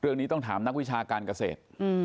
เรื่องนี้ต้องถามนักวิชาการเกษตร